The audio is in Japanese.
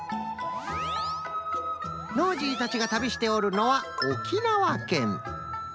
ノージーたちが旅しておるのは沖縄県。